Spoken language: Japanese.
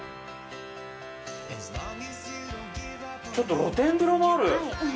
ちょっと露天風呂もある！